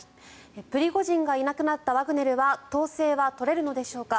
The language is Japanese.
プリゴジンがいなくなったワグネルは統制は取れるのでしょうか？